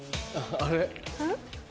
あれ？